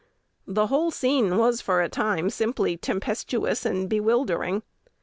The whole scene was for a time simply tempestuous and bewildering.